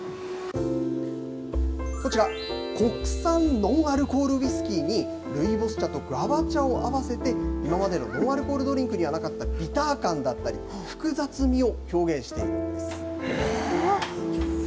こちら、国産ノンアルコールウイスキーに、ルイボス茶とグアバ茶を合わせて、今までのノンアルコールドリンクにはなかったビター感だったり、お味は？